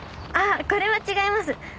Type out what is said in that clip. あっこれは違います。